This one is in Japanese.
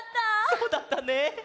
そうだったね。